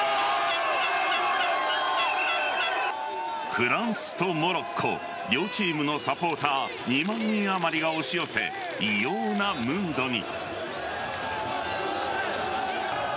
フランスとモロッコ両チームのサポーター２万人あまりが押し寄せ異様なムードに。